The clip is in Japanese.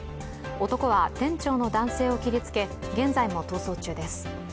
男は店長の男性を切りつけ、現在も逃走中です。